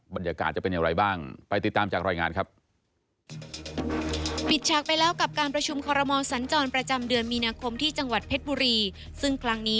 บรรยากาศจะเป็นอย่างไรบ้าง